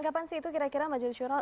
kapan sih itu kira kira maju nasional